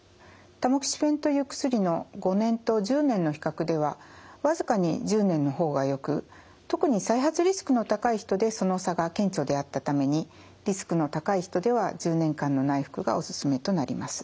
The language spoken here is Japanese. タモキシフェンという薬の５年と１０年の比較では僅かに１０年の方がよく特に再発リスクの高い人でその差が顕著であったためにリスクの高い人では１０年間の内服がお勧めとなります。